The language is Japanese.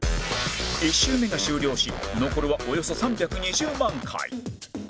１周目が終了し残るはおよそ３２０万回